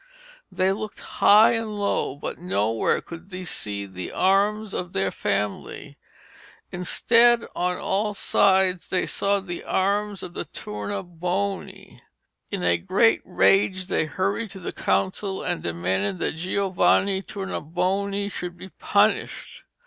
They looked high and low, but nowhere could they see the arms of their family. Instead, on all sides, they saw the arms of the Tournabuoni. In a great rage they hurried to the Council and demanded that Giovanni Tournabuoni should be punished.